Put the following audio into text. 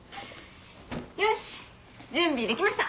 よし準備できました！